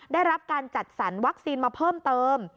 ได้รับการจัดสรรวัคซีนมาเพิ่มเติม